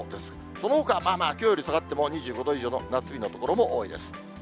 そのほかまあまあ、きょうより下がっても２５度以上の夏日の所も多いです。